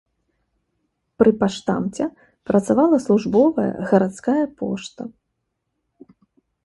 Пры паштамце працавала службовая гарадская пошта.